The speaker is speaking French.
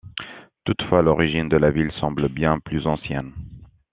Toutefois, l'origine de la ville semble bien plus ancienne.